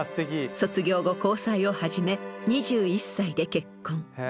卒業後交際を始め２１歳で結婚。